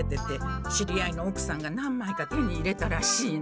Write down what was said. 知り合いのおくさんが何まいか手に入れたらしいの。